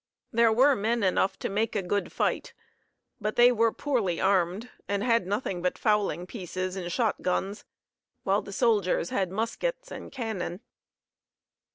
There were men enough to make a good fight, but they were poorly armed, and had nothing but fowling pieces and shotguns, while the soldiers had muskets and cannon.